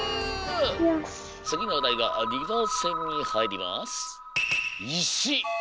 つぎのおだいが２ばんせんにはいります！